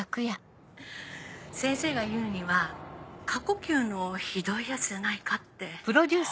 先生が言うには過呼吸のひどいやつじゃないかって。